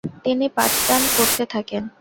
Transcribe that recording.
তিনি পাঠদান করতে থাকেন।